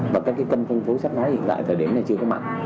và các cái kênh phân phối sách lấy hiện tại thời điểm này chưa có mạnh